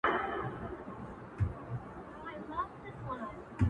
د فاصلو په تول کي دومره پخه سوې يمه.